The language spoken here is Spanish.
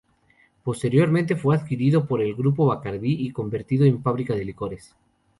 Posteriormente fue adquirido por el Grupo Bacardí y convertido en fábrica de licores.